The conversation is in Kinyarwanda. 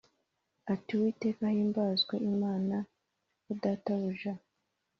Ati uwiteka ahimbazwe imana ya databuja